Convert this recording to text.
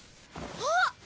あっ！